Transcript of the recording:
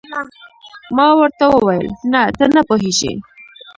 ما ورته وویل: نه، ته نه پوهېږې.